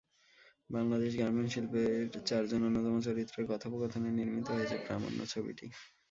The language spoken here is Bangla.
বাংলাদেশ গার্মেন্টস শিল্পের চারজন অন্যতম চরিত্রের কথোপকথনে নির্মিত হয়েছে প্রামাণ্য ছবিটি।